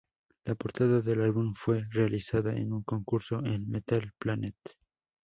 La portada del álbum fue realizada en un concurso en "Metal Planet".